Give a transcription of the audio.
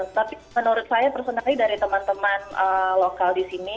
tapi menurut saya personally dari teman teman lokal di sini